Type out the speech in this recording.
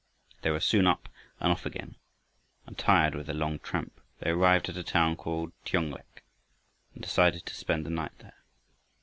They were soon up and off again, and, tired with their long tramp, they arrived at a town called Tionglek, and decided to spend the night there.